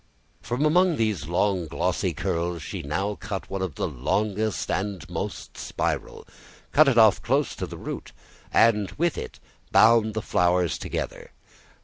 From among these long, glossy curls, she now cut one of the longest and most spiral, cut it off close to the root, and with it bound the flowers together.